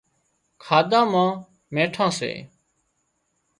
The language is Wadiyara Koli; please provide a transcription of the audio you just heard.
کاڌا مان نيٺان سي